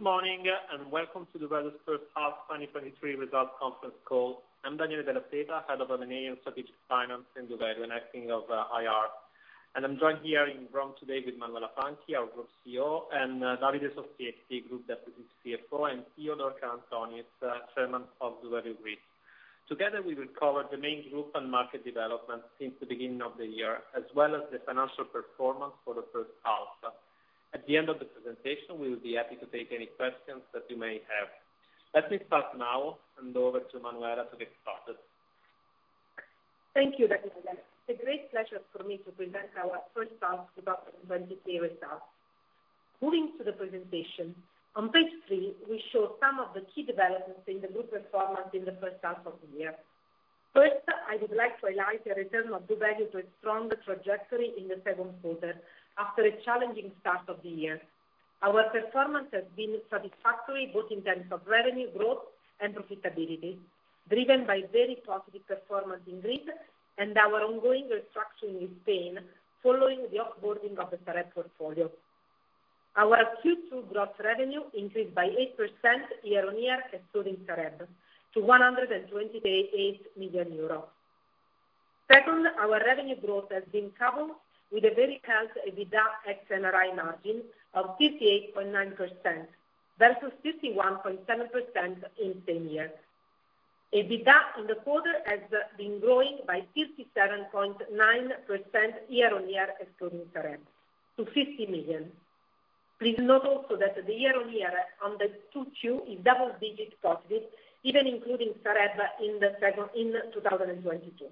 Good morning, and welcome to the doValue's first half 2023 results conference call. I'm Daniele De Falco, Head of M&A and Strategic Finance in doValue, and acting of IR. I'm joined here in Rome today with Manuela Fanti, our Group CEO, and Davide Sopcich, Group Deputy CFO, and Theodore Karantonis, Chairman of doValue Greece. Together, we will cover the main group and market developments since the beginning of the year, as well as the financial performance for the first half. At the end of the presentation, we will be happy to take any questions that you may have. Let me start now, hand over to Manuela to get started. Thank you, Daniele. It's a great pleasure for me to present our first half of 2023 results. Moving to the presentation, on page 3, we show some of the key developments in the group performance in the first half of the year. First, I would like to highlight a return of doValue to a stronger trajectory in the second quarter after a challenging start of the year. Our performance has been satisfactory, both in terms of revenue growth and profitability, driven by very positive performance in Greece and our ongoing restructuring in Spain, following the off-boarding of the SAREB portfolio. Our Q2 gross revenue increased by 8% year-on-year, excluding SAREB, to 128 million euros. Second, our revenue growth has been coupled with a very healthy EBITDA ex-NRI margin of 58.9%, versus 51.7% in same year. EBITDA in the quarter has been growing by 57.9% year-on-year, excluding SAREB, to 50 million. Please note also that the year-on-year on the 2Q is double digit positive, even including SAREB in the second, in 2022.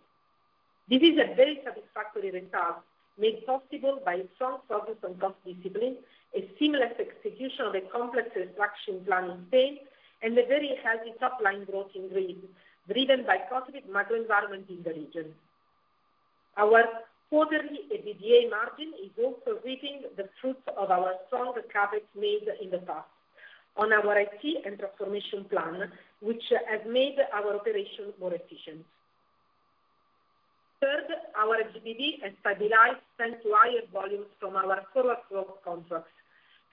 This is a very satisfactory result, made possible by strong focus on cost discipline, a seamless execution of a complex restructuring plan in Spain, and a very healthy top line growth in Greece, driven by positive macro environment in the region. Our quarterly EBITDA margin is also reaping the fruits of our strong capital made in the past on our IT and transformation plan, which has made our operation more efficient. Third, our EBITDA has stabilized thanks to higher volumes from our solar flow contracts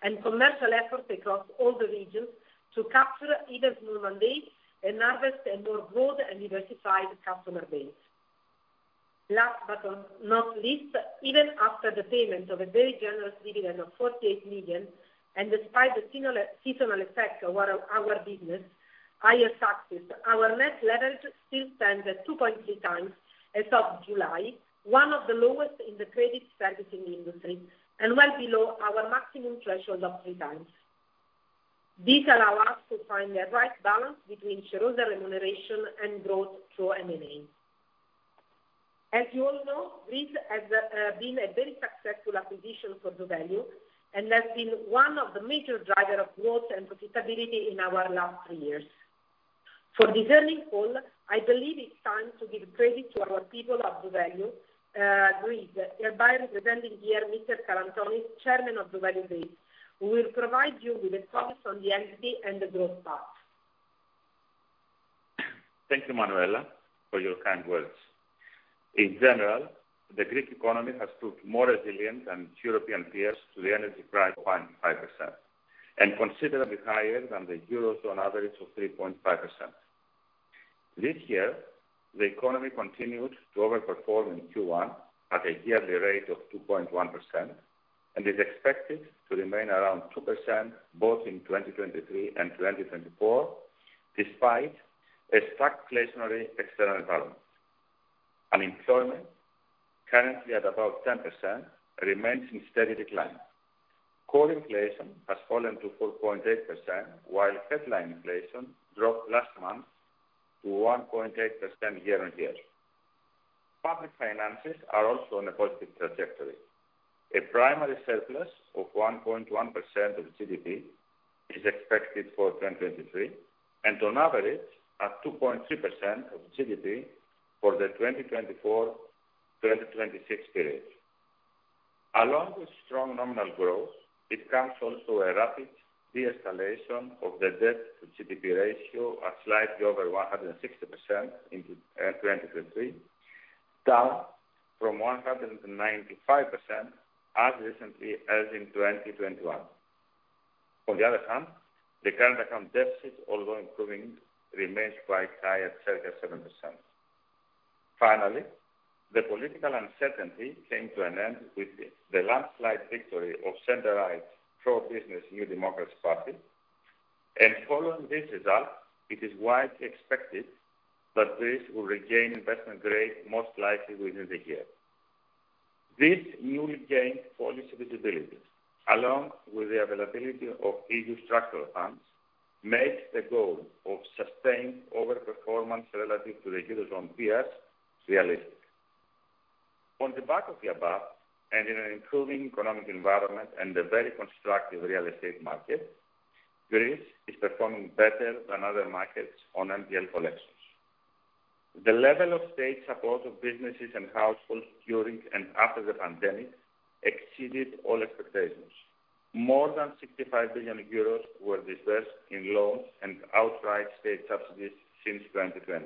and commercial efforts across all the regions to capture either new mandate and harvest a more broad and diversified customer base. Last but not least, even after the payment of a very generous dividend of 48 million, Despite the similar seasonal effect of our business, higher taxes, our net leverage still stands at 2.3 times as of July, one of the lowest in the credit servicing industry, and well below our maximum threshold of 3 times. This allow us to find the right balance between shareholder remuneration and growth through M&A. As you all know, Greece has been a very successful acquisition for doValue, and has been one of the major driver of growth and profitability in our last 3 years. For this conference call, I believe it's time to give credit to our people of doValue Greece, thereby representing here Mr. Karantonis, Chairman of doValue Greece, who will provide you with a comment on the entity and the growth path. Thank you, Manuela, for your kind words. In general, the Greek economy has proved more resilient than its European peers to the energy price point, 5%, and considerably higher than the Eurozone average of 3.5%. This year, the economy continued to overperform in Q1 at a yearly rate of 2.1%, and is expected to remain around 2% both in 2023 and 2024, despite a stark inflationary external environment. Unemployment, currently at about 10%, remains in steady decline. Core inflation has fallen to 4.8%, while headline inflation dropped last month to 1.8% year-on-year. Public finances are also on a positive trajectory. A primary surplus of 1.1% of GDP is expected for 2023, on average, at 2.3% of GDP for the 2024-2026 period. Along with strong nominal growth, it comes also a rapid de-escalation of the debt to GDP ratio at slightly over 160% in 2023, down from 195% as recently as in 2021. On the other hand, the current account deficit, although improving, remains quite high at circa 7%. Finally, the political uncertainty came to an end with the landslide victory of center-right, pro-business, New Democracy Party. Following this result, it is widely expected that Greece will regain investment grade, most likely within the year. This newly gained policy visibility, along with the availability of EU structural funds, makes the goal of sustained overperformance relative to the Eurozone peers realistic. On the back of the above, and in an improving economic environment and a very constructive real estate market, Greece is performing better than other markets on NPL collections. The level of state support of businesses and households during and after the pandemic exceeded all expectations. More than 65 billion euros were disbursed in loans and outright state subsidies since 2020.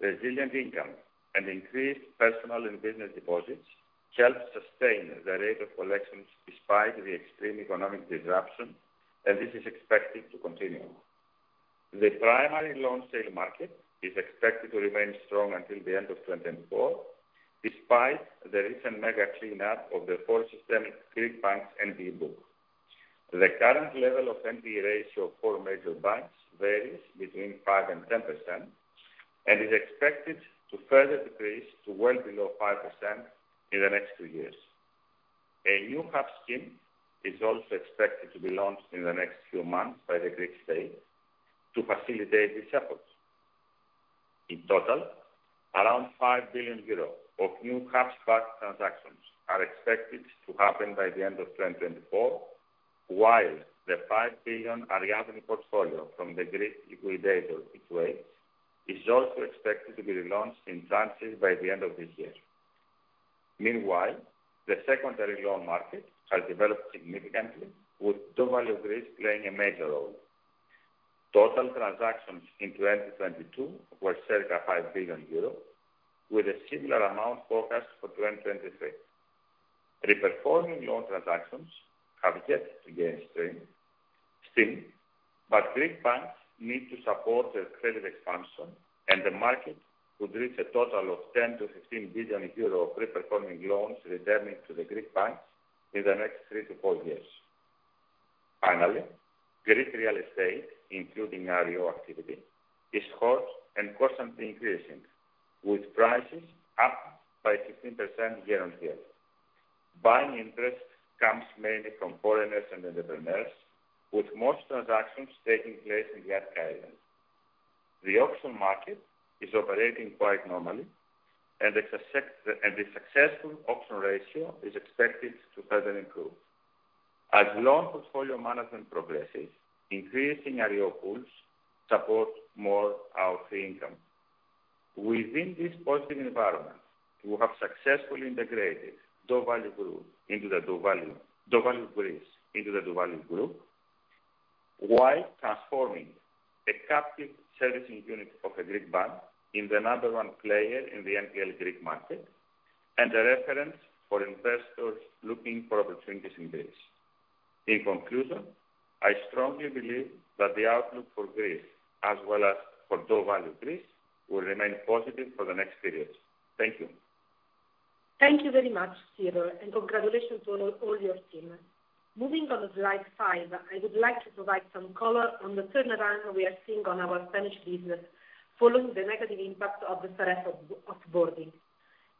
Resilient income and increased personal and business deposits helped sustain the rate of collections despite the extreme economic disruption, and this is expected to continue. The primary loan sale market is expected to remain strong until the end of 2024, despite the recent mega cleanup of the four systemic Greek banks NPE book. The current level of NPE ratio of four major banks varies between 5% and 10%, and is expected to further decrease to well below 5% in the next two years. A new hub scheme is also expected to be launched in the next few months by the Greek state to facilitate these efforts. In total, around 5 billion euros of new hubs back transactions are expected to happen by the end of 2024, while the 5 billion Ariadne portfolio from the Greek liquidator, Axway, is also expected to be relaunched in France by the end of this year. Meanwhile, the secondary loan market has developed significantly, with doValue Greece playing a major role. Total transactions in 2022 were circa 5 billion euros, with a similar amount forecast for 2023. Reperforming loan transactions have yet to gain stream, steam, but Greek banks need to support their credit expansion, and the market could reach a total of 10 billion-15 billion euro of pre-performing loans returning to the Greek banks in the next three to four years. Finally, Greek real estate, including RIO activity, is hot and constantly increasing, with prices up by 15% year-on-year. Buying interest comes mainly from foreigners and entrepreneurs, with most transactions taking place in the Archipelago. The auction market is operating quite normally, and the success, and the successful auction ratio is expected to further improve. As loan portfolio management progresses, increasing RIO pools support more out income. Within this positive environment, we have successfully integrated doValue Group into the doValue, doValue Greece into the doValue Group, while transforming a captive servicing unit of a Greek bank in the number 1 player in the NPL Greek market, and a reference for investors looking for opportunities in Greece. In conclusion, I strongly believe that the outlook for Greece, as well as for doValue Greece, will remain positive for the next period. Thank you. Thank you very much, Cyril, and congratulations to all your team. Moving on to slide five, I would like to provide some color on the turnaround we are seeing on our Spanish business, following the negative impact of the Serf off-boarding.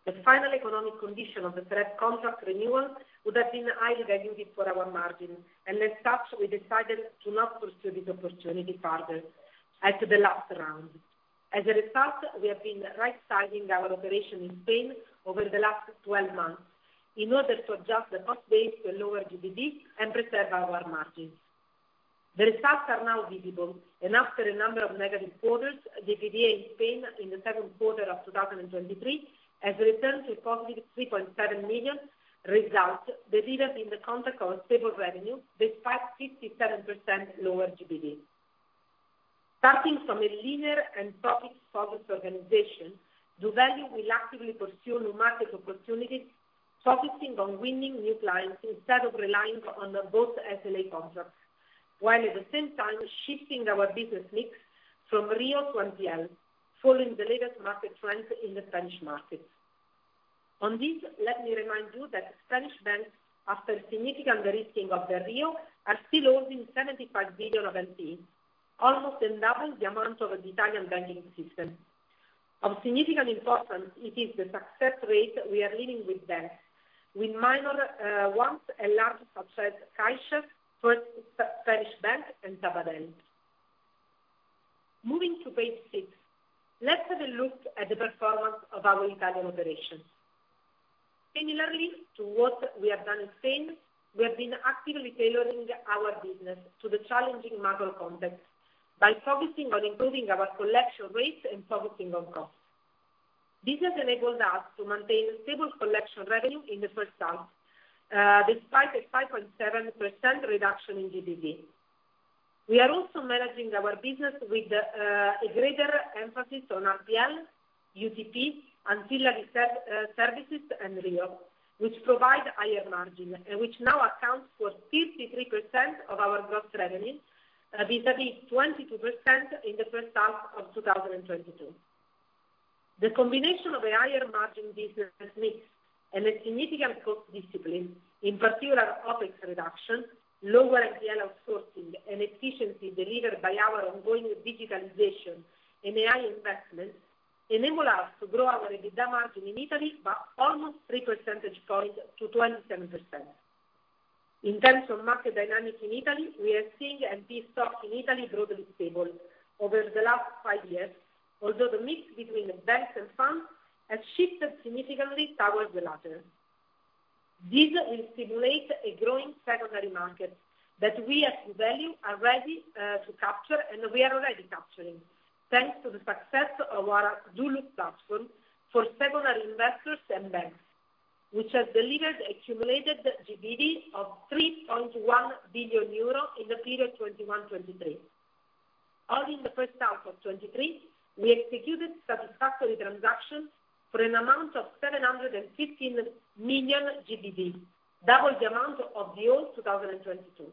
The final economic condition of the Serf contract renewal would have been highly dilutive for our margin, and as such, we decided to not pursue this opportunity further at the last round. As a result, we have been right-sizing our operation in Spain over the last 12 months in order to adjust the cost base to lower GDP and preserve our margins. The results are now visible. After a number of negative quarters, the PDA in Spain in the second quarter of 2023 has returned to a positive 3.7 million result, delivered in the context of stable revenue, despite 57% lower GDP. Starting from a leaner and topic-focused organization, doValue will actively pursue new market opportunities, focusing on winning new clients instead of relying on the both SLA contracts, while at the same time shifting our business mix from RIO to NPL, following the latest market trends in the Spanish market. On this, let me remind you that Spanish banks, after significant de-risking of the RIO, are still holding 75 billion of NP, almost double the amount of the Italian banking system. Of significant importance, it is the success rate we are leading with banks, with minor, once a large success, Caixa, first Spanish bank, and Sabadell. Moving to page 6, let's have a look at the performance of our Italian operations. Similarly to what we have done in Spain, we have been actively tailoring our business to the challenging macro context by focusing on improving our collection rates and focusing on costs. This has enabled us to maintain stable collection revenue in the first half, despite a 5.7% reduction in GDP. We are also managing our business with a greater emphasis on RPN, UTP, and filler services and RIO, which provide higher margin, and which now accounts for 53% of our gross revenue, vis-à-vis 22% in the first half of 2022. The combination of a higher margin business mix and a significant cost discipline, in particular, OpEx reduction, lower NPL outsourcing, and efficiency delivered by our ongoing digitalization and AI investments, enable us to grow our EBITDA margin in Italy by almost three percentage points to 27%. In terms of market dynamics in Italy, we are seeing NPL stock in Italy broadly stable over the last five years, although the mix between banks and funds has shifted significantly towards the latter. This will stimulate a growing secondary market that we at doValue are ready to capture, and we are already capturing, thanks to the success of our Dulu platform for secondary investors and banks. which has delivered accumulated GBD of 3.1 billion euro in the period 2021-2023. All in the first half of 2023, we executed satisfactory transactions for an amount of 715 million GBD, double the amount of the whole 2022.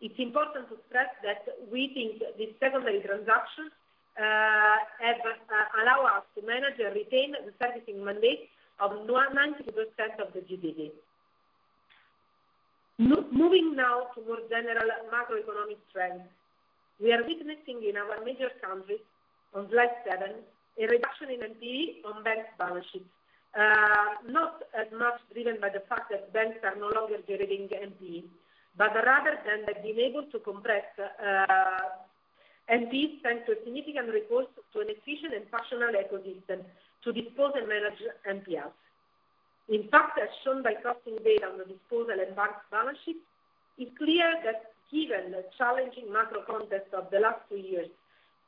It's important to stress that we think these secondary transactions have allow us to manage and retain the servicing mandate of 192% of the GBD. Moving now to more general macroeconomic trends, we are witnessing in our major countries, on slide 7, a reduction in NPE on bank's balance sheets. Not as much driven by the fact that banks are no longer generating NPE, but rather than they've been able to compress NPE thanks to a significant recourse to an efficient and functional ecosystem to dispose and manage NPLs. In fact, as shown by trusting data on the disposal and banks' balance sheets, it's clear that given the challenging macro context of the last 2 years,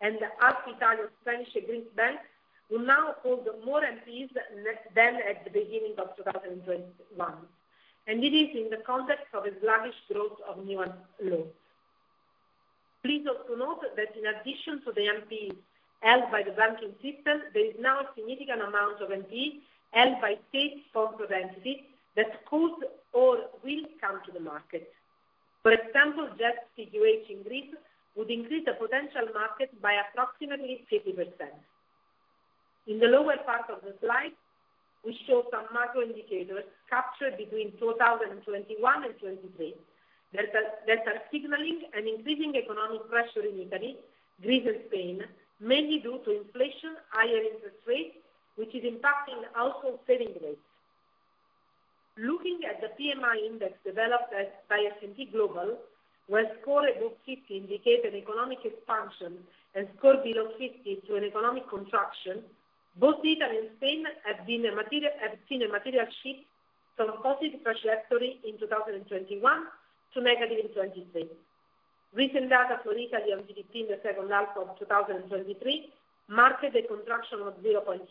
and as Italian, Spanish, and Greek banks will now hold more NPEs than at the beginning of 2021, and it is in the context of a sluggish growth of new loans. Please also note that in addition to the NPE held by the banking system, there is now a significant amount of NPE held by state sponsored entities that could or will come to the market. For example, just situation in Greece would increase the potential market by approximately 50%. In the lower part of the slide, we show some macro indicators captured between 2021 and 2023, that are signaling an increasing economic pressure in Italy, Greece, and Spain, mainly due to inflation, higher interest rates, which is impacting household saving rates. Looking at the PMI index developed by S&P Global, where score above 50 indicate an economic expansion and score below 50 to an economic contraction, both Italy and Spain have seen a material shift from a positive trajectory in 2021 to negative in 2023. Recent data for Italy on GDP in the second half of 2023 marked a contraction of 0.3%.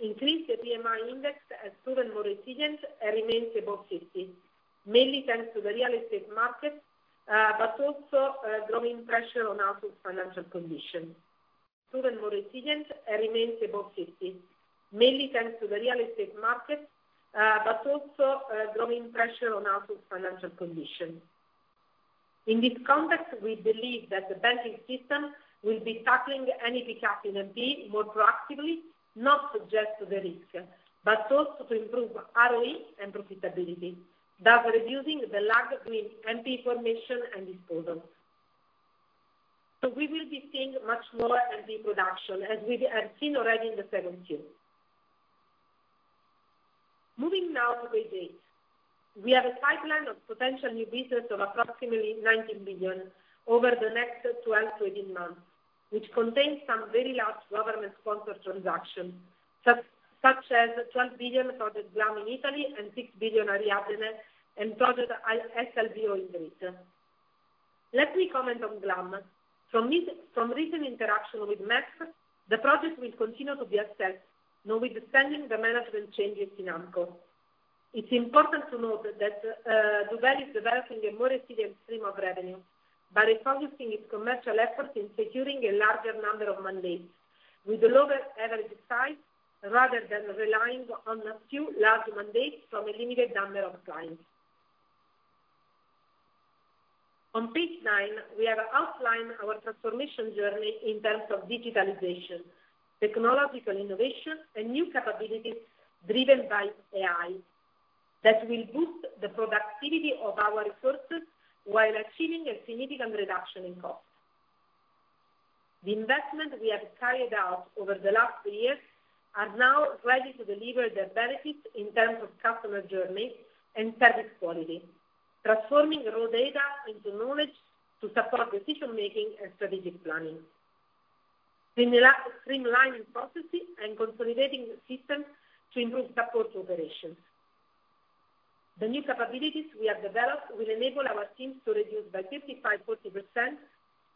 Increase the PMI index has proven more resilient and remains above 50, mainly thanks to the real estate market, but also growing pressure on household financial conditions. Proven more resilient and remains above 50, mainly thanks to the real estate market, but also growing pressure on household financial conditions. In this context, we believe that the banking system will be tackling any recap in NPE more proactively, not just to the risk, but also to improve ROE and profitability, thus reducing the lag between NPE formation and disposal. We will be seeing much more NPE production, as we have seen already in the second quarter. Moving now to page 8. We have a pipeline of potential new business of approximately 19 billion over the next 12-18 months, which contains some very large government-sponsored transactions, such as 12 billion project GLAM in Italy and 6 billion Ariadne and project SLBO in Greece. Let me comment on GLAM. From recent interaction with MAPS, the project will continue to be assessed, notwithstanding the management changes in ANCO. It's important to note that doValue is developing a more resilient stream of revenue by refocusing its commercial efforts in securing a larger number of mandates with a lower average size, rather than relying on a few large mandates from a limited number of clients. On page nine, we have outlined our transformation journey in terms of digitalization, technological innovation, and new capabilities driven by AI, that will boost the productivity of our resources while achieving a significant reduction in cost. The investment we have carried out over the last two years are now ready to deliver their benefits in terms of customer journey and service quality, transforming raw data into knowledge to support decision-making and strategic planning. Streamlining processes and consolidating systems to improve support operations. The new capabilities we have developed will enable our teams to reduce by 55, 40%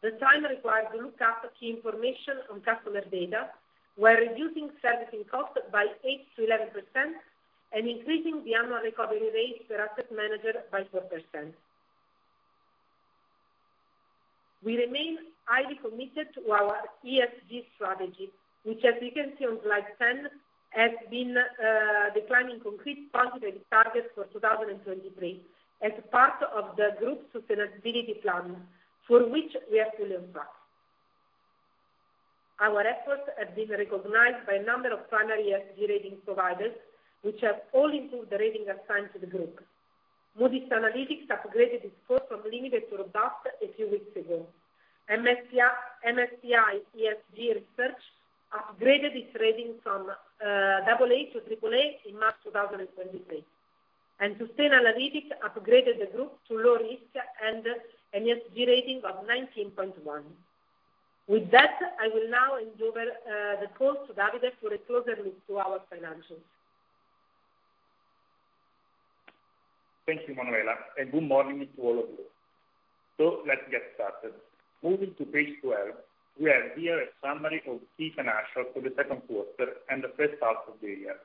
the time required to look up key information on customer data, while reducing servicing costs by 8%-11% and increasing the annual recovery rate per asset manager by 4%. We remain highly committed to our ESG strategy, which, as you can see on slide 10, has been declining concrete positive targets for 2023 as part of the group's sustainability plan, for which we are fully on track. Our efforts have been recognized by a number of primary ESG rating providers, which have all improved the rating assigned to the group. Moody's Analytics upgraded its score from limited to robust a few weeks ago. MSCI, MSCI ESG Research upgraded its rating from AA to AAA in March 2023, and Sustain Analytics upgraded the group to low risk and an ESG rating of 19.1. With that, I will now hand over the call to Davide for a closer look to our financials. Thank you, Manuela, and good morning to all of you. Let's get started. Moving to page 12, we have here a summary of key financials for the second quarter and the first half of the year.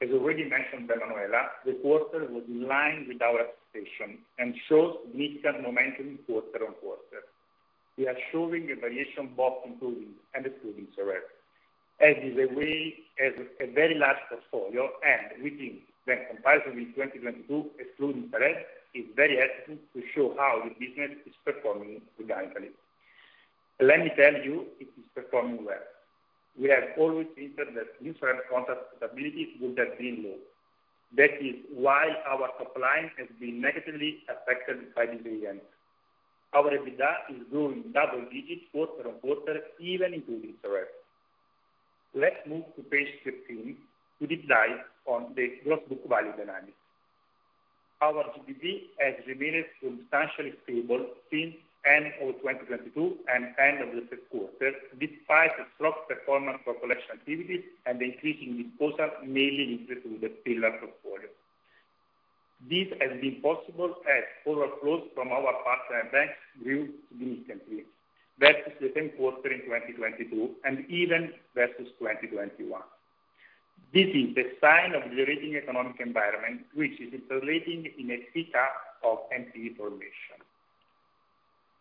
As already mentioned by Manuela, the quarter was in line with our expectation and shows significant momentum quarter-on-quarter. We are showing a variation both including and excluding Serf, as is a way, as a very large portfolio, and we think that comparably 2022, excluding Serf, is very accurate to show how the business is performing dynamically. Let me tell you, it is performing well. We have always stated that insurance contract stability would have been low. That is why our top line has been negatively affected by the end. Our EBITDA is growing double digits quarter-on-quarter, even including Serf. Let's move to page 13 to deep dive on the gross book value dynamics. Our GBV has remained substantially stable since end of 2022 and end of the third quarter, despite a strong performance for collection activity and increasing disposal, mainly related to the Pillar portfolio. This has been possible as overflows from our partner banks grew significantly. That is the same quarter in 2022, and even versus 2021. This is a sign of the rating economic environment, which is translating in a pick-up of NP formation.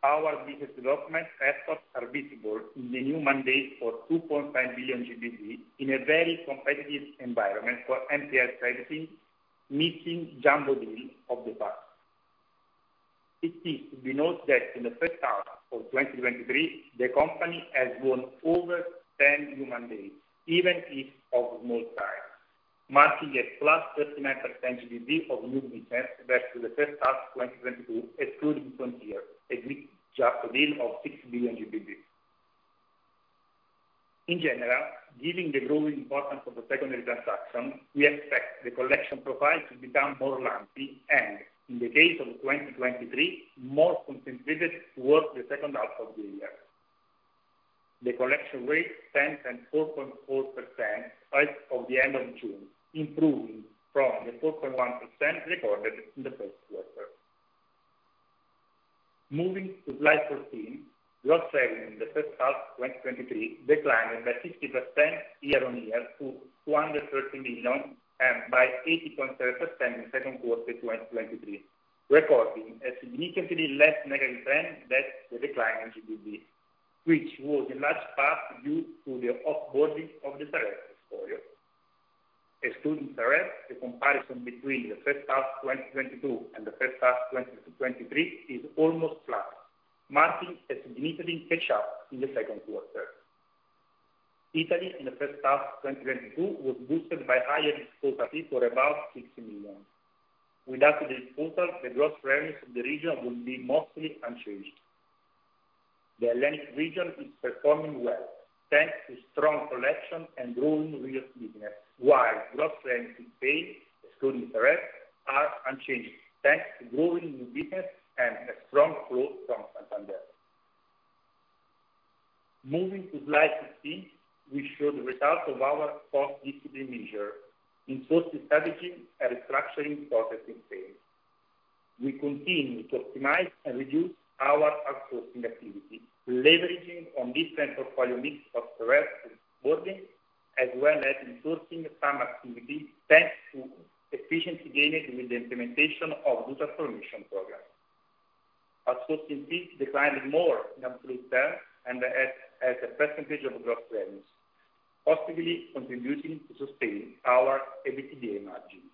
Our business development efforts are visible in the new mandate for 2.5 billion GBV in a very competitive environment for NPLs servicing, missing jumbo deals of the past. It is to be noted that in the first half of 2023, the company has won over 10 new mandates, even if of small size, marking a +39% GBV of new business versus the first half of 2022, excluding front year, a great job deal of 6 billion GBV. In general, giving the growing importance of the secondary transaction, we expect the collection profile to become more lumpy, and in the case of 2023, more concentrated towards the second half of the year. The collection rate stands at 4.4% as of the end of June, improving from the 4.1% recorded in the first quarter. Moving to slide 14, gross revenue in the first half of 2023 declined by 50% year-on-year to 213 million, and by 80.7% in second quarter 2023, recording a significantly less negative trend than the decline in GBV, which was in large part due to the off-boarding of the Serf portfolio. Excluding Serf, the comparison between the first half 2022 and the first half 2023 is almost flat, marking a significant catch-up in the second quarter. Italy, in the first half of 2022, was boosted by higher disposals for about 60 million. Without the disposal, the gross revenues of the region would be mostly unchanged. The Atlantic region is performing well, thanks to strong collection and growing real business, while gross revenues paid, excluding Serf, are unchanged, thanks to growing new business and a strong flow from Santander. Moving to slide 15, we show the results of our cost discipline measure in sourcing, servicing, and restructuring processing phase. We continue to optimize and reduce our outsourcing activity, leveraging on different portfolio mix of Serf onboarding, as well as insourcing some activities, thanks to efficiency gained with the implementation of new transformation program. Outsourcing fees declined more in absolute terms and as a percentage of gross revenues, positively contributing to sustain our EBITDA margins.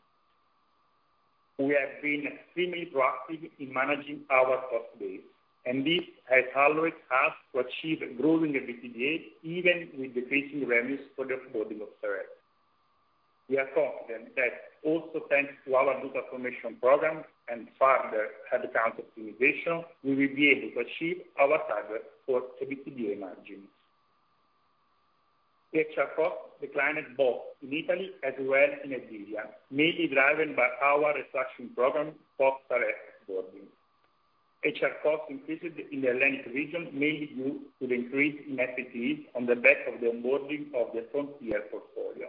We have been extremely proactive in managing our cost base, and this has allowed us to achieve growing EBITDA, even with decreasing revenues for the onboarding of Serf. We are confident that also thanks to our new transformation program and further headcount optimization, we will be able to achieve our target for EBITDA margins. The HR costs declined both in Italy as well in Iberia, mainly driven by our restructuring program for Serf onboarding. HR costs increased in the Atlantic region, mainly due to the increase in FTEs on the back of the onboarding of the Frontier portfolio.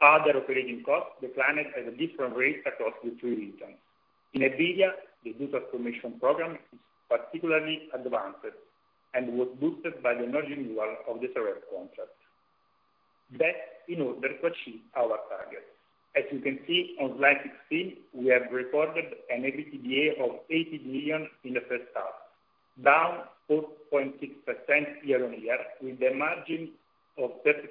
Other operating costs declined at a different rate across the three regions. In Iberia, the new transformation program is particularly advanced and was boosted by the non-renewal of the Serf contract. In order to achieve our targets. As you can see on slide 16, we have recorded an EBITDA of 80 billion in the first half, down 4.6% year-on-year, with a margin of 35%,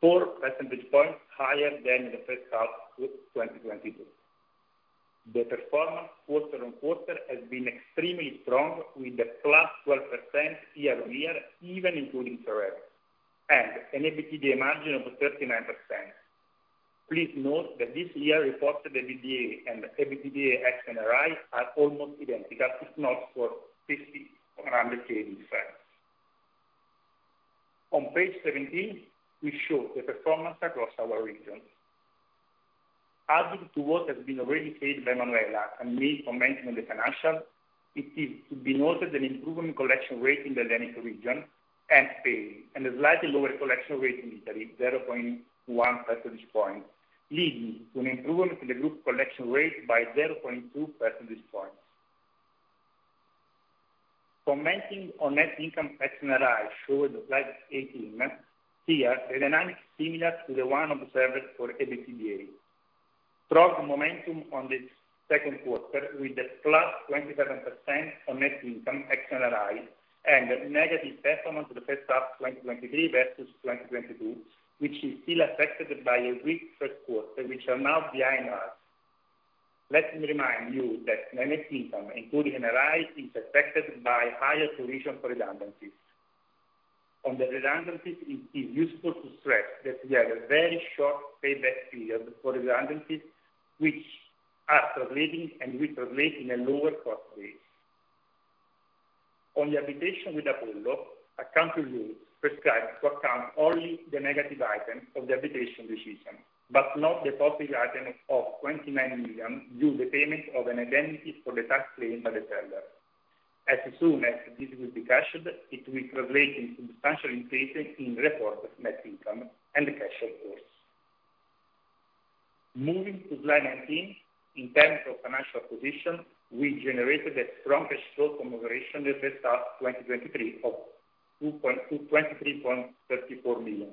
4 percentage points higher than the first half of 2022. The performance quarter-on-quarter has been extremely strong, with a +12% year-on-year, even including Serf, and an EBITDA margin of 39%. Please note that this year reported EBITDA and EBITDA ex NRI are almost identical, if not for 50 or 100 basis points. On page 17, we show the performance across our regions. Adding to what has been already said by Manuela and me on managing the financials. It is to be noted an improvement collection rate in the Hellenic region and Spain, and a slightly lower collection rate in Italy, 0.1 percentage points, leading to an improvement in the Group collection rate by 0.2 percentage points. Commenting on net income tax NII showed Slide 18, here, the dynamic is similar to the one observed for EBITDA. Strong momentum on the second quarter, with the +27% on net income NII, and negative performance in the first half 2023 versus 2022, which is still affected by a weak first quarter, which are now behind us. Let me remind you that net income, including NII, is affected by higher provision for redundancies. On the redundancies, it is useful to stress that we have a very short payback period for redundancies, which are translating and will translate in a lower cost base. On the arbitration with Apollo, accounting rules prescribe to account only the negative item of the arbitration decision, but not the positive item of 29 million due to payment of an indemnity for the tax claimed by the seller. As soon as this will be cashed, it will translate into substantial increases in reported net income and the cash flows. Moving to slide 19, in terms of financial position, we generated a strongest flow from operation in the first half of 2023 of 23.34 million,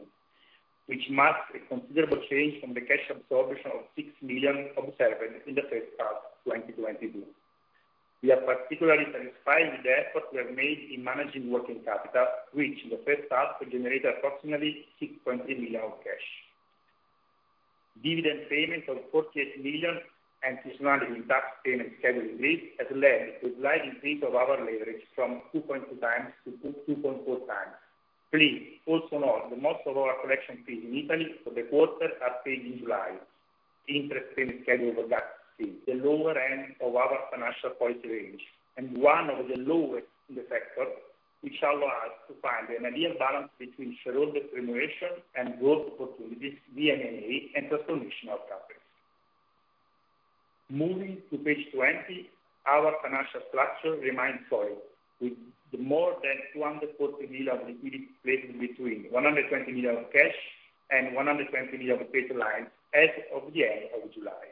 which marks a considerable change from the cash absorption of 6 million observed in the first half 2022. We are particularly satisfied with the effort we have made in managing working capital, which in the first half, we generated approximately 6.3 million of cash. Dividend payment of 48 million and seasonal tax payment schedule rate, has led to a slight increase of our leverage from 2.2 times to 2.4 times. Please also note that most of our collection fees in Italy for the quarter are paid in July. Interest payment schedule with that fee, the lower end of our financial point range, and one of the lowest in the sector, which allow us to find an ideal balance between shareholder remuneration and growth opportunities via M&A and transformation of countries. Moving to page 20, our financial structure remains solid, with the more than 240 million of liquidity placed between 120 million of cash and 120 million of credit lines as of the end of July.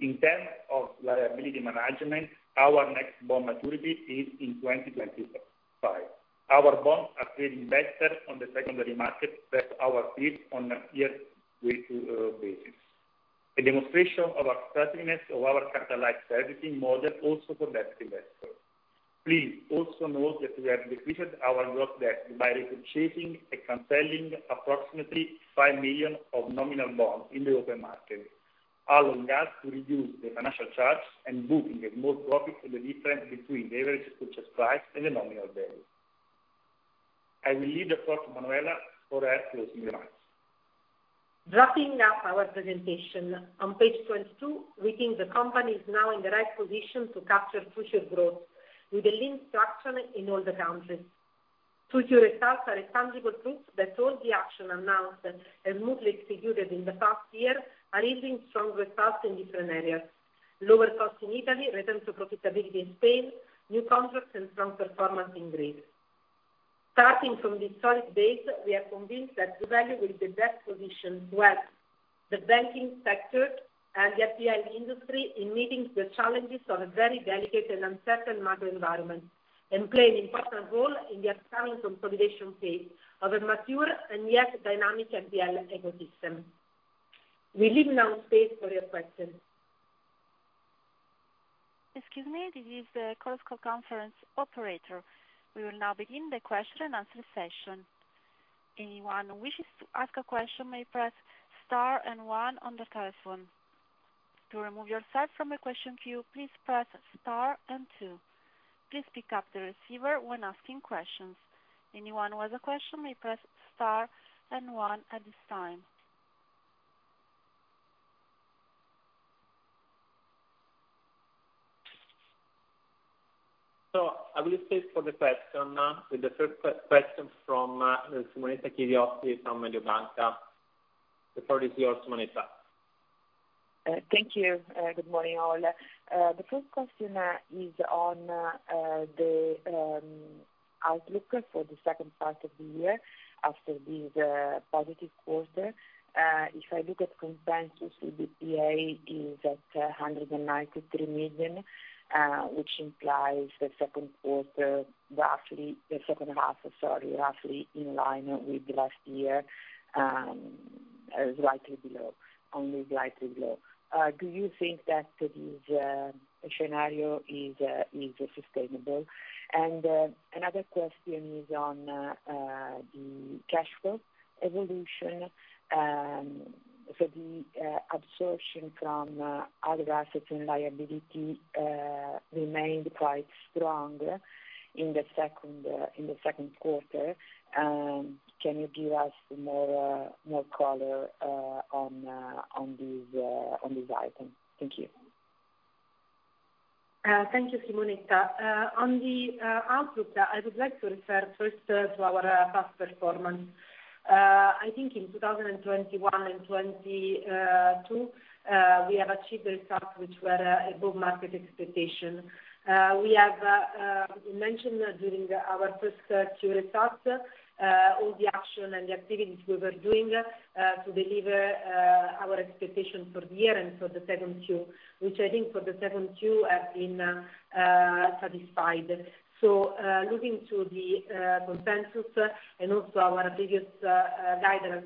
In terms of liability management, our next bond maturity is in 2025. Our bonds are trading better on the secondary market than our fees on a year to basis. A demonstration of our strateginess, of our capitalized servicing model, also for deputy investor. Please also note that we have decreased our growth debt by repurchasing and canceling approximately 5 million of nominal bonds in the open market, allowing us to reduce the financial charge and booking a more profit on the difference between the average purchase price and the nominal value. I will leave the floor to Manuela for her closing remarks. Wrapping up our presentation, on page 22, we think the company is now in the right position to capture future growth with a lean structure in all the countries. Future results are a tangible proof that all the action announced and mostly executed in the past year, are yielding strong results in different areas. Lower costs in Italy, return to profitability in Spain, new contracts and strong performance in Greece. Starting from this solid base, we are convinced that doValue will be best positioned to help the banking sector and the FPI industry in meeting the challenges of a very delicate and uncertain macro environment, and play an important role in the upcoming consolidation phase of a mature and yet dynamic FBL ecosystem. We leave now space for your questions. Excuse me, this is the Costco conference operator. We will now begin the question and answer session. Anyone who wishes to ask a question may press Star and One on the telephone. To remove yourself from the question queue, please press Star and Two. Please pick up the receiver when asking questions. Anyone who has a question may press Star and One at this time. I will stay for the question, with the first question from, Simonetta Chiodi from Mediobanca. The floor is yours, Simoneta. Thank you, good morning, all. The first question is on the outlook for the second part of the year after this positive quarter. If I look at consensus, EBITDA is at 193 million, which implies the second quarter, roughly. The second half, sorry, roughly in line with last year, slightly below, only slightly below. Do you think that this scenario is sustainable? Another question is on the cash flow evolution for the absorption from other assets and liability remained quite strong in the second in the second quarter. Can you give us more more color on on this on this item? Thank you. Thank you, Simoneta. On the outlook, I would like to refer first to our past performance. I think in 2021 and 20, we have achieved the results, which were above market expectation. We have mentioned during our 1Q results, all the action and the activities we were doing, to deliver our expectations for the year and for the 2Q, which I think for the 2Q have been satisfied. Looking to the consensus and also our previous guidance,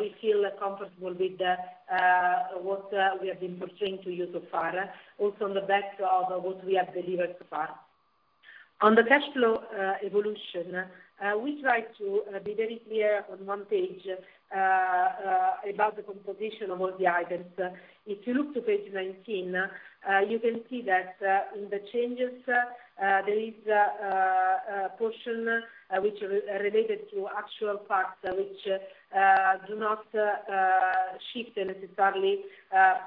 we feel comfortable with the what we have been portraying to you so far, also on the back of what we have delivered so far. On the cash flow, evolution, we try to be very clear on one page, about the composition of all the items. If you look to page 19, you can see that, in the changes, there is a portion, which related to actual parts which do not shift necessarily,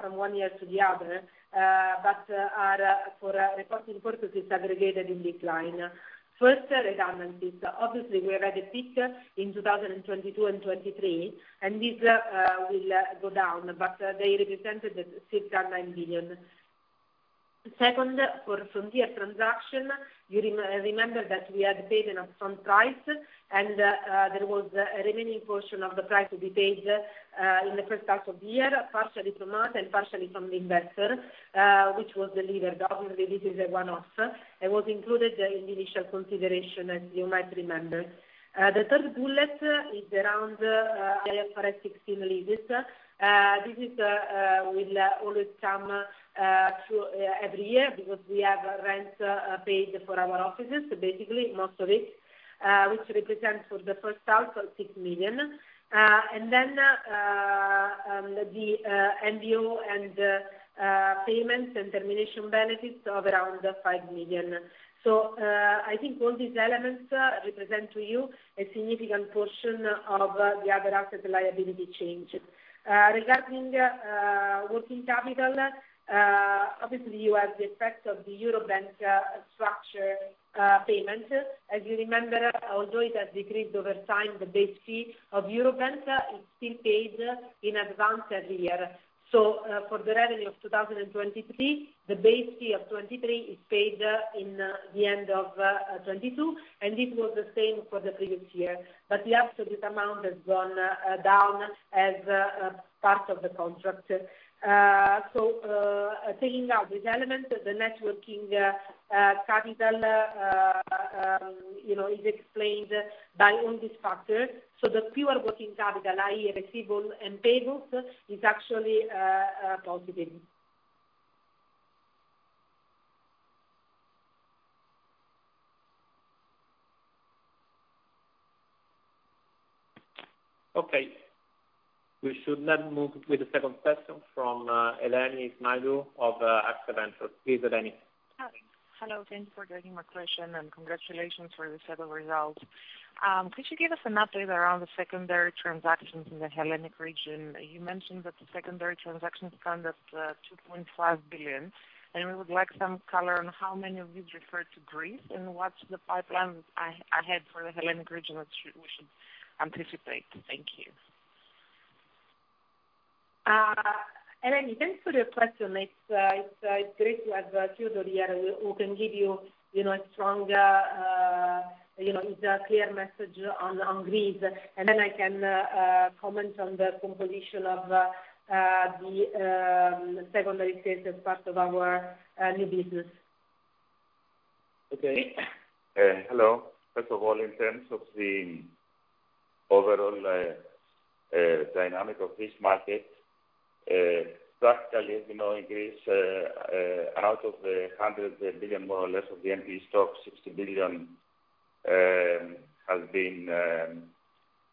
from one year to the other, but are, for reporting purposes, aggregated in decline. First, redundancies. Obviously, we had a peak in 2022 and 2023. This will go down, but they represented 6.9 billion. Second, for Frontier transaction, you remember that we had paid an upfront price, and there was a remaining portion of the price to be paid in the first half of the year, partially from us and partially from the investor, which was delivered. Obviously, this is a one-off, and was included in the initial consideration, as you might remember. The third bullet is around IFRS 16 leases. This will always come through every year because we have rent paid for our offices, basically, most of it, which represents for the first half of 6 million. Then, the NBU and payments and termination benefits of around 5 million. I think all these elements represent to you a significant portion of the other asset liability change. Regarding working capital, obviously, you have the effect of the Eurobank structure payment. As you remember, although it has decreased over time, the base fee of Eurobank is still paid in advance every year. For the revenue of 2023, the base fee of 2023 is paid in the end of 2022, and this was the same for the previous year. The absolute amount has gone down as part of the contract. Taking out this element, the networking capital, you know, is explained by all this factor. The pure working capital, i.e. receivables and payables, is actually positive. Okay. We should now move with the second question from Eleni Ismailou of Exvent. Please, Eleni. Hi. Hello, thanks for taking my question. Congratulations for the set of results. Could you give us an update around the secondary transactions in the Hellenic region? You mentioned that the secondary transactions stand at 2.5 billion. We would like some color on how many of these refer to Greece. What's the pipeline ahead for the Hellenic region that we should anticipate? Thank you. Eleni, thanks for your question. It's, it's, it's great to have Theodore here, who, who can give you, you know, a stronger, you know, with a clear message on, on Greece. Then I can comment on the composition of the secondary sales as part of our new business. Okay. Hello. First of all, in terms of the overall dynamic of this market, practically, as you know, in Greece, out of the 100 billion, more or less, of the NPL stock, 60 billion has been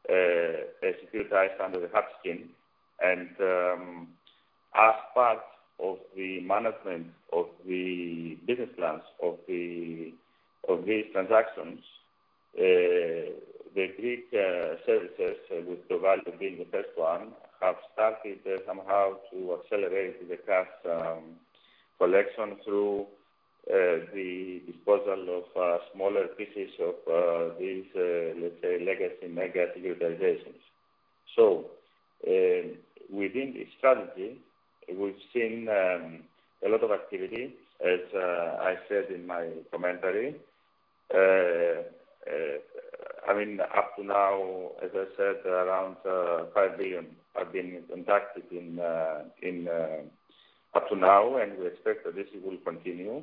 securitized under the hub scheme. As part of the management of the business plans of the, of these transactions, the Greek services, with Piraeus Bank being the first one, have started somehow to accelerate the cash collection through the disposal of smaller pieces of these, let's say, legacy mega utilizations. Within this strategy, we've seen a lot of activity, as I said in my commentary. I mean, up to now, as I said, around, 5 billion have been impacted in, in, up to now. We expect that this will continue.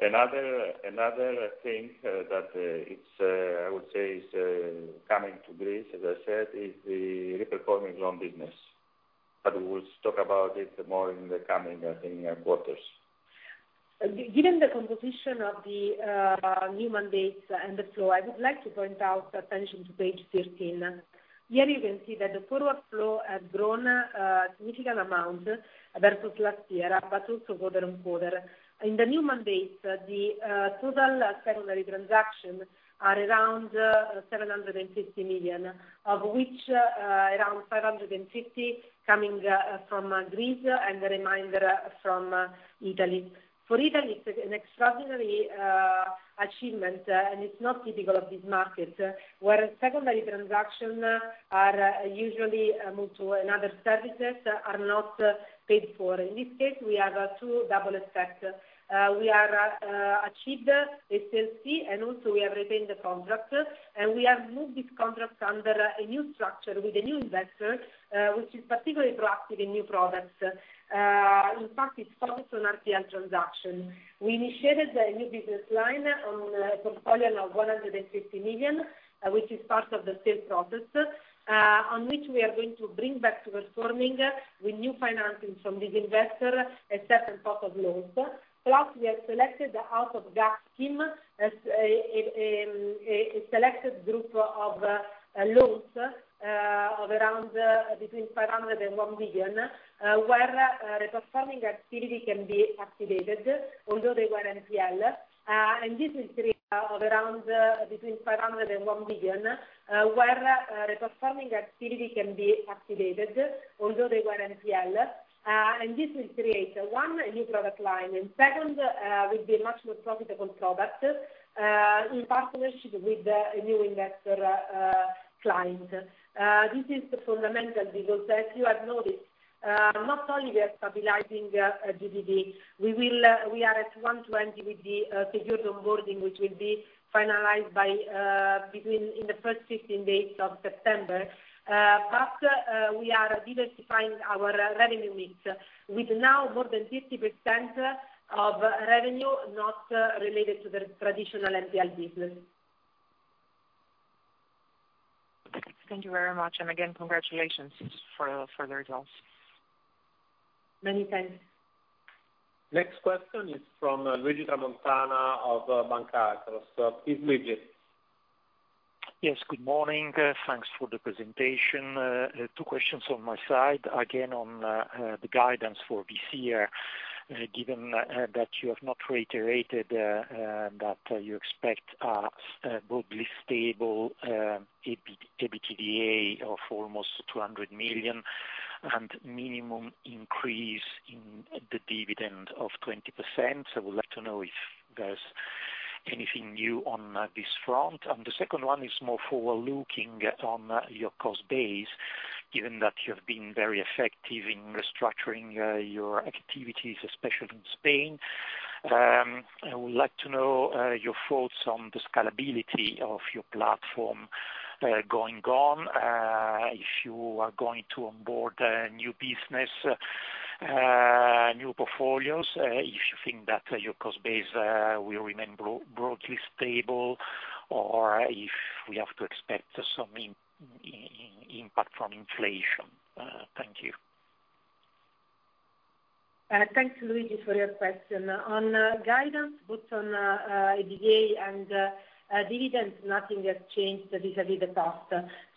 another, another thing, that it's, I would say, is coming to Greece, as I said, is the reperforming loan business. We will talk about it more in the coming, in, quarters. Given the composition of the new mandates and the flow, I would like to point out attention to page 13. Here you can see that the forward flow has grown a significant amount versus last year, but also quarter-on-quarter. In the new mandate, the total secondary transactions are around 750 million, of which around 550 coming from Greece and the remainder from Italy. For Italy, it's an extraordinary achievement, and it's not typical of this market, where secondary transactions are usually moved to another services are not paid for. In this case, we have a two double effect. We are achieved SLC, and also we have retained the contract, and we have moved this contract under a new structure with a new investor, which is particularly proactive in new products. In fact, it's focused on RTL transaction. We initiated a new business line on a portfolio of 150 million, which is part of the sales process, on which we are going to bring back to performing with new financing from this investor, a separate pot of loans. Plus, we have selected the out-of-gas scheme, as a selected group of loans, of around between 500 million and 1 billion, where the performing activity can be activated, although they were NPL. This will create of around between 500 million and 1 billion, where the performing activity can be activated, although they were NPL. This will create, one, a new product line, and second, will be a much more profitable product in partnership with the, a new investor client. This is fundamental because as you have noticed, not only we are stabilizing GDP, we will, we are at 120 with the secured onboarding, which will be finalized by between in the first 15 days of September. We are diversifying our revenue mix, with now more than 50% of revenue, not related to the traditional NPL business. Thank you very much, and again, congratulations for the results. Many thanks. Next question is from Luigi Tramontana of Bank Across. Please, Luigi. Yes, good morning. Thanks for the presentation. Two questions on my side. Again, on the guidance for this year, given that you have not reiterated that you expect a broadly stable EBITDA of almost 200 million and minimum increase in the dividend of 20%. I would like to know if there's anything new on this front. The second one is more forward-looking on your cost base, given that you have been very effective in restructuring your activities, especially in Spain. I would like to know your thoughts on the scalability of your platform going on, if you are going to onboard new business, new portfolios, if you think that your cost base will remain broadly stable, or if we have to expect some impact from inflation? Thank you. Thanks, Luigi, for your question. On guidance, both on EBITDA and dividend, nothing has changed vis-à-vis the past.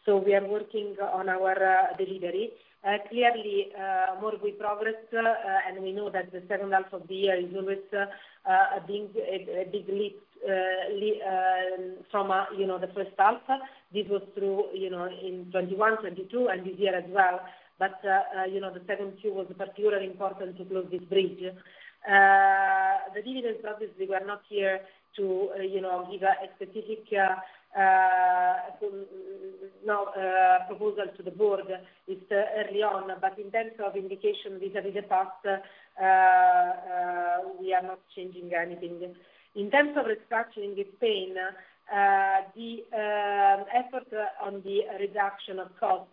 We are working on our delivery. Clearly, more we progress, and we know that the second half of the year is always a big, a big leap from, you know, the first half. This was through, you know, in 2021, 2022 and this year as well. You know, the second two was particularly important to close this bridge. The dividend obviously, we are not here to, you know, give a specific, no, proposal to the board. It's early on, but in terms of indication vis-à-vis the past, we are not changing anything. In terms of restructuring in Spain, the effort on the reduction of cost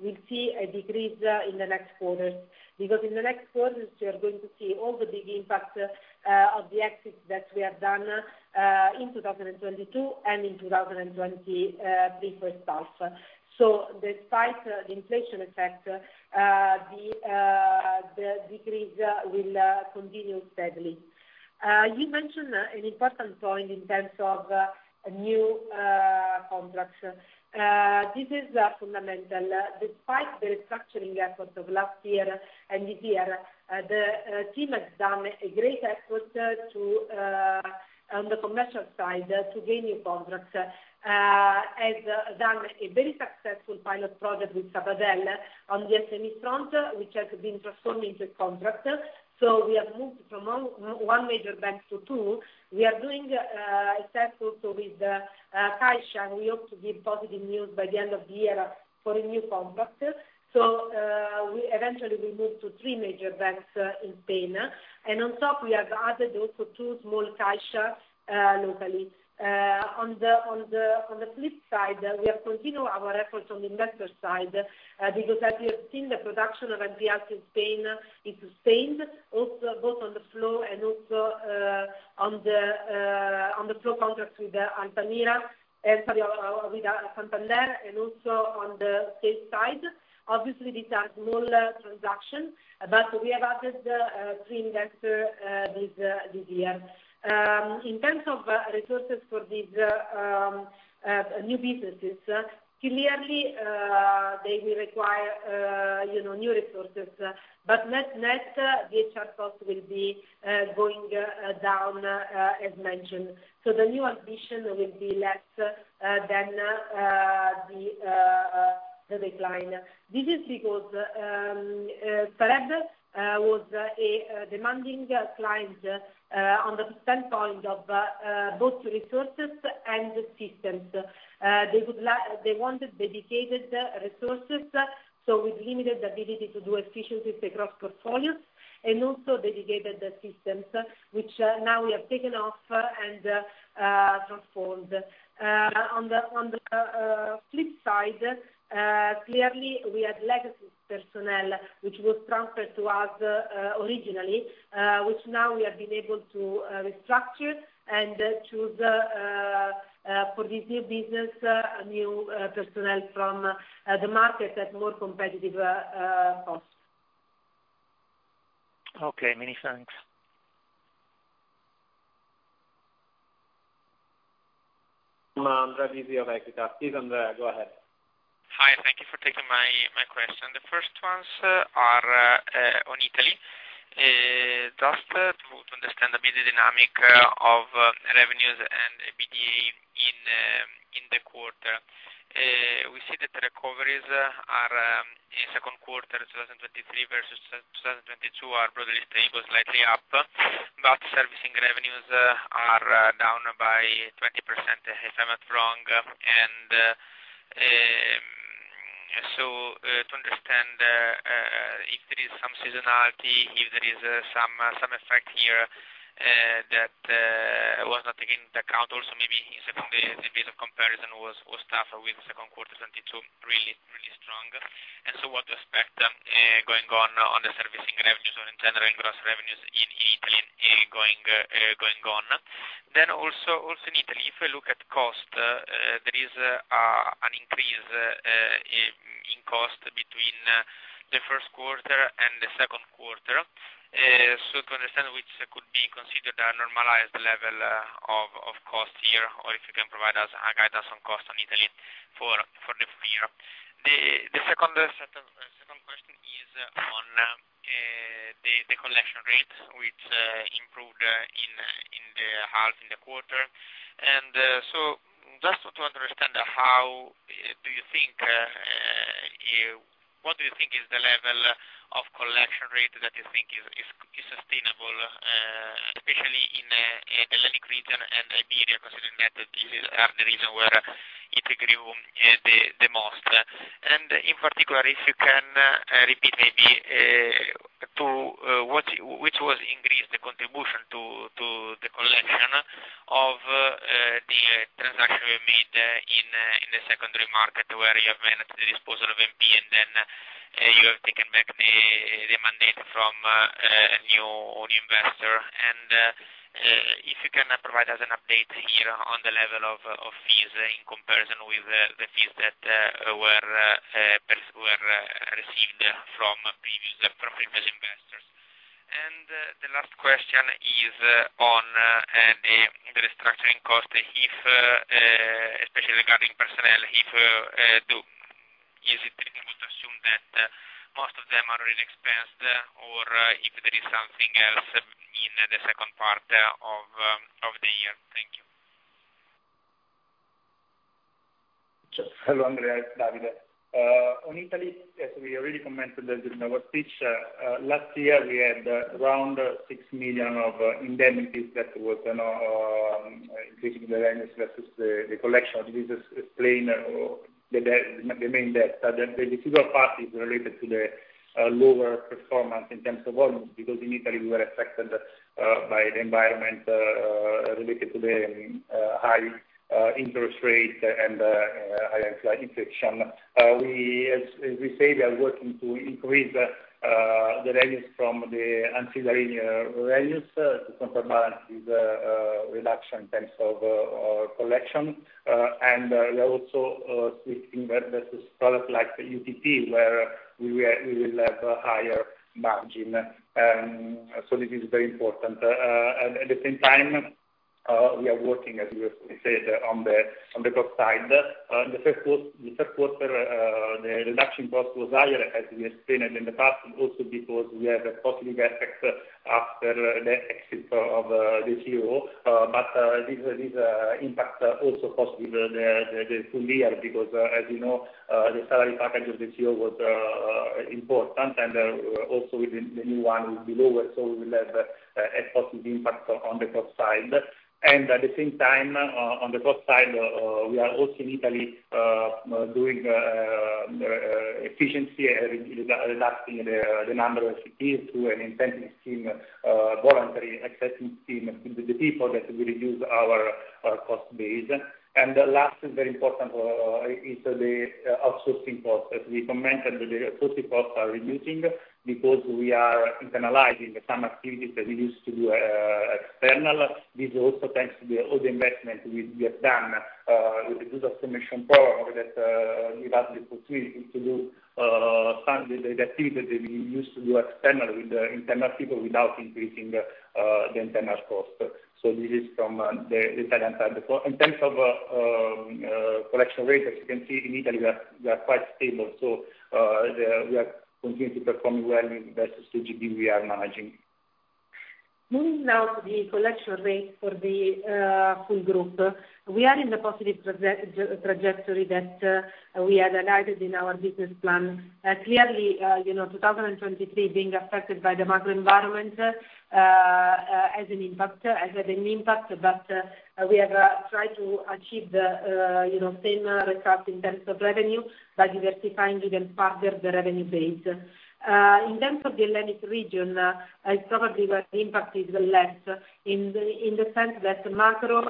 will see a decrease in the next quarter. In the next quarter, we are going to see all the big impact of the exits that we have done in 2022 and in 2020 before it starts. Despite the inflation effect, the decrease will continue steadily. You mentioned an important point in terms of new contracts. This is fundamental. Despite the restructuring efforts of last year and this year, the team has done a great effort to on the commercial side, to gain new contracts. Has done a very successful pilot project with Sabadell on the SME front, which has been transformed into a contract. We have moved from one, one major bank to two. We are doing a test also with Caixa. We hope to give positive news by the end of the year for a new contract. We eventually will move to three major banks in Spain. On top, we have added also two small Caixa locally. On the, on the, on the flip side, we have continued our efforts on the investor side, because as you have seen, the production of NPLs in Spain is sustained, also both on the flow and also. On the on the flow contract with the Altamira, with Santander, and also on the sales side. Obviously, these are small transactions, but we have added 3 investors this year. In terms of resources for these new businesses, clearly, they will require, you know, new resources. Net-net, the HR cost will be going down as mentioned. The new ambition will be less than the decline. This is because Sareb was a demanding client on the standpoint of both resources and systems. They wanted dedicated resources, so we limited the ability to do efficiencies across portfolios, and also dedicated the systems, which now we have taken off and transformed. On the, on the flip side, clearly, we had legacy personnel, which was transferred to us originally, which now we have been able to restructure and choose for this new business, new personnel from the market at more competitive costs. Okay, many thanks. Andrea Visi of Equita. Please, Andrea, go ahead. Hi, thank you for taking my, my question. The first ones are on Italy. Just to, to understand a bit the dynamic of revenues and EBITDA in the quarter. We see that the recoveries are in second quarter 2023 versus 2022, are broadly stable, slightly up, but servicing revenues are down by 20%, if I'm not wrong. So, to understand if there is some seasonality, if there is some effect here that was not taking into account. Also, maybe in second, the, the base of comparison was, was tougher with second quarter 2022, really, really strong. So what to expect going on, on the servicing revenues on in general, gross revenues in Italy, going, going on? Also, also in Italy, if I look at cost, there is an increase in, in cost between the first quarter and the second quarter. To understand which could be considered a normalized level of, of cost here, or if you can provide us, guide us on cost on Italy for, for the full year. The second, second question is on the, the collection rate, which improved in, in the half, in the quarter. Just to understand, how do you think, what do you think is the level of collection rate that you think is, is, is sustainable, especially in Hellenic region and Iberia, considering that these are the region where it grew the, the most. In particular, if you can repeat maybe to what, which was increased the contribution to the collection of the transaction we made in the secondary market, where you have managed the disposal of MP, and then you have taken back the mandate from a new or new investor. If you can provide us an update here on the level of fees in comparison with the fees that were received from previous, from previous investors. The last question is on the restructuring cost, if especially regarding personnel, is it reasonable to assume that most of them are already expensed, or if there is something else in the second part of the year? Thank you. Hello, Andrea. David. On Italy, as we already commented in our speech, last year, we had around 6 million of indemnities that was, you know, increasing the revenues versus the collection. This is explained the debt, the main debt. The difficult part is related to the lower performance in terms of volume, because in Italy, we were affected by the environment related to the high interest rate and high inflation. We, as, as we say, we are working to increase the revenues from the ancillary revenues to counterbalance the reduction in terms of collection. We are also switching versus product like the UTP, where we will, we will have a higher margin. This is very important. At the same time, we are working, as we said, on the cost side. The first quarter, the first quarter, the reduction cost was higher, as we explained in the past, and also because we have a positive effect after the exit of the CEO. This, this, impact also positive the, the, the full year, because, as you know, the salary package of the CEO was important, and also the, the new one will be lower, so we will have a positive impact on the cost side. At the same time, on the cost side, we are also in Italy, doing, efficiency, reducing, reducing, the number of CTs through an incentive scheme, voluntary acceptance scheme with the people that will reduce our, our cost base. The last is very important, is the, outsourcing cost. As we commented, the outsourcing costs are reducing because we are internalizing some activities that we used to do. External. This also thanks to the all the investment we, we have done with the good automation power that give us the opportunity to do some the activity that we used to do external with the internal people without increasing the internal cost. This is from the Italian side. In terms of collection rate, as you can see, in Italy, we are, we are quite stable. We are continuing to perform well in investors GPD we are managing. Moving now to the collection rate for the full group. We are in the positive trajectory that we had highlighted in our business plan. Clearly, you know, 2023 being affected by the macro environment, has an impact, has had an impact. We have tried to achieve the, you know, same result in terms of revenue by diversifying even further the revenue base. In terms of the Hellenic region, it's probably where the impact is less, in the, in the sense that macro,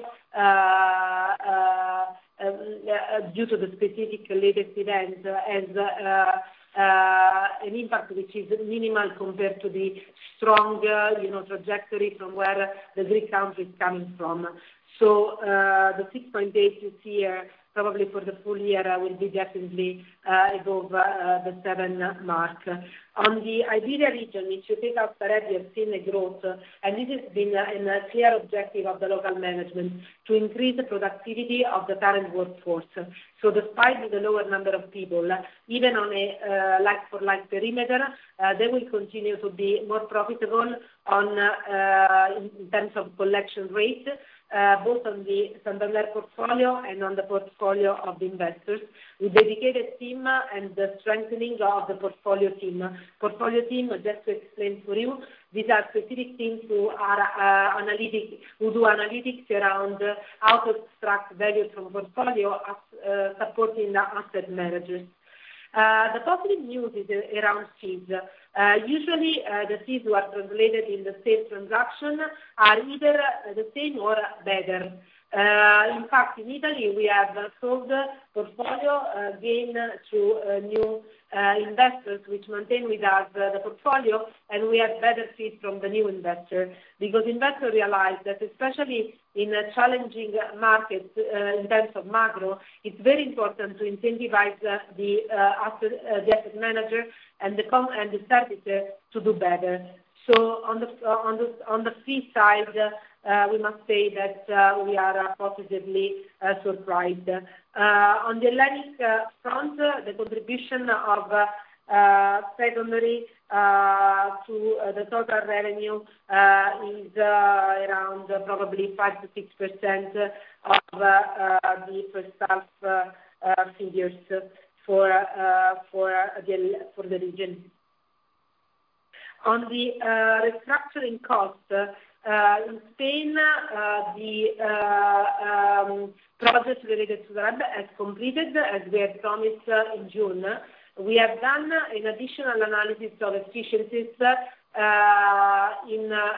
due to the specific latest event, has an impact which is minimal compared to the stronger, you know, trajectory from where the Greek country is coming from. The 6.8 you see here, probably for the full year, will be definitely above the 7 mark. On the Iberia region, if you take out already have seen the growth, and this has been a clear objective of the local management, to increase the productivity of the parent workforce. Despite the lower number of people, even on a like for like perimeter, they will continue to be more profitable on in terms of collection rate, both on the Santander portfolio and on the portfolio of investors, with dedicated team and the strengthening of the portfolio team. Portfolio team, just to explain for you, these are specific teams who are analytic, who do analytics around how to extract value from portfolio, as supporting the asset managers. The positive news is around fees. Uh, usually, uh, the fees were translated in the sales transaction are either the same or better. Uh, in fact, in Italy, we have sold portfolio, uh, again to, uh, new, uh, investors, which maintain with us the portfolio, and we have better fees from the new investor. Because investors realize that especially in a challenging market, uh, in terms of macro, it's very important to incentivize the, uh, asset, uh, the asset manager and the com- and the service to do better. So on the, on the, on the fee side, uh, we must say that, uh, we are positively, uh, surprised. Uh, on the Hellenic, uh, front, the contribution of, uh, secondary, uh, to, uh, the total revenue, uh, is, uh, around probably five to six percent of, uh, uh, the first half, uh, figures for, uh, for the, for the region. On the restructuring cost in Spain, the process related to that has completed, as we had promised in June. We have done an additional analysis of efficiencies in the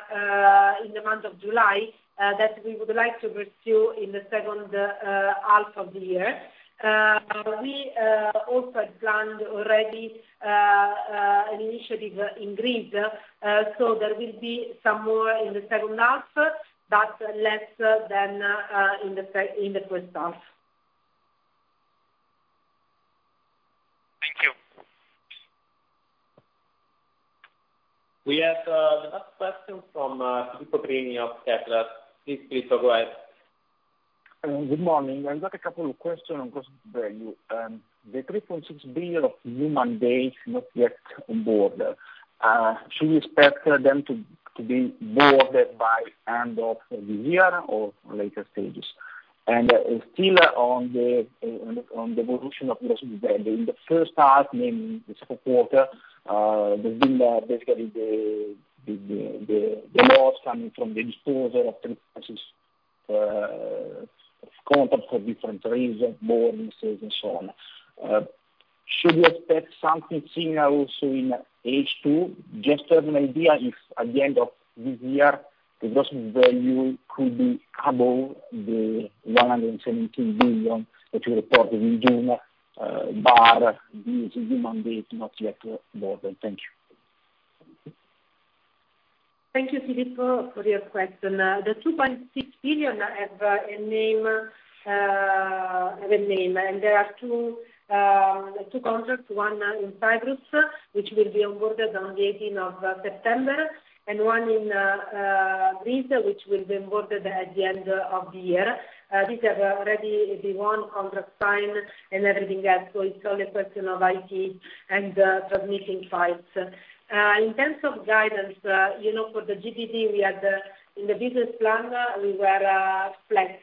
month of July that we would like to pursue in the second half of the year. We also had planned already an initiative in Greece. There will be some more in the second half, but less than in the first, in the first half. Thank you. We have the next question from Filippo Crini of Kepler. Please, Filippo, go ahead. Good morning. I've got a couple of questions on gross value. The 3.6 billion of new mandates not yet on board. Should we expect them to be boarded by end of the year or later stages? Still on the evolution of the gross value, in the first half, mainly the second quarter, there's been basically the loss coming from the disposal of principles of contract for different reasons, board misses, and so on. Should we expect something similar also in H2? Just to have an idea if at the end of this year, the gross value could be above the 117 billion that you reported in June, bar these new mandates not yet boarded. Thank you. Thank you, Filippo, for your question. The $2.6 billion have a name, have a name, there are two, two contracts, one in Cyprus, which will be onboarded on the 18th of September, and one in Greece, which will be onboarded at the end of the year. These have already the one contract signed and everything else, so it's only a question of IT and transmitting files. In terms of guidance, you know, for the GDP, we had, in the business plan, we were flat.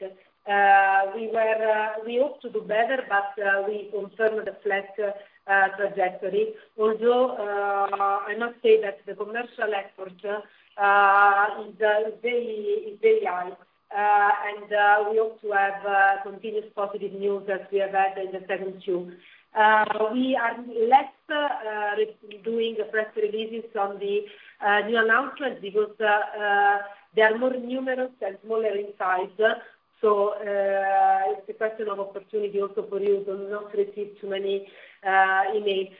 We were, we hope to do better, but we confirm the flat trajectory. Although I must say that the commercial effort is very, is very high. We hope to have continuous positive news as we have had in the second two. We are less re- doing press releases on the new announcements because they are more numerous and smaller in size. It's a question of opportunity also for you to not receive too many emails.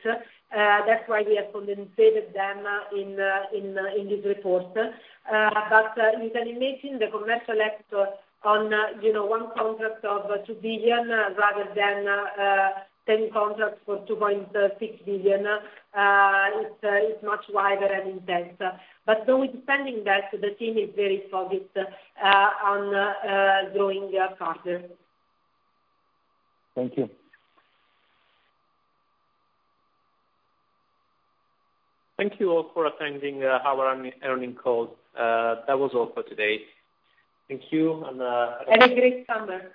That's why we have consolidated them in in in this report. You can imagine the commercial effort on, you know, one contract of 2 billion rather than ten contracts for 2.6 billion, it's, it's much wider and intense. Though depending that, the team is very focused on growing contracts. Thank you. Thank you all for attending, our earning call. That was all for today. Thank you, and. Have a great summer!